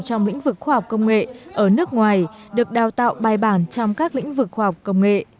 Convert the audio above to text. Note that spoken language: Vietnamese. trong lĩnh vực khoa học công nghệ ở nước ngoài được đào tạo bài bản trong các lĩnh vực khoa học công nghệ